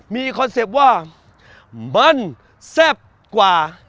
มีคอนเซ็ปต์ว่ามันแซ่บกว่า